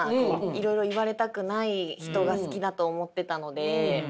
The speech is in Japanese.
いろいろ言われたくない人が好きだと思ってたので。